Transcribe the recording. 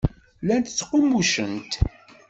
Llant ttqummucent.